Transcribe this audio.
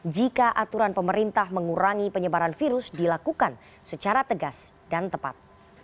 jika aturan pemerintah mengurangi penyebaran virus dilakukan secara tegas dan tepat